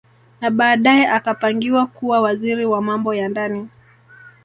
Na baadae akapangiwa kuwa Waziri wa Mambo ya Ndani